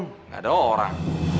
gak ada orang